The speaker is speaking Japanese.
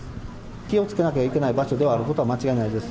気をつけなきゃいけない場所ではあることは間違いないです。